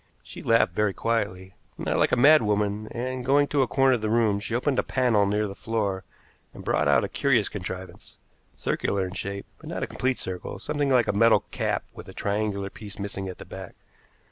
She laughed very quietly not like a mad woman and, going to a corner of the room, she opened a panel near the floor and brought out a curious contrivance, circular in shape, but not a complete circle something like a metal cap with a triangular piece missing at the back.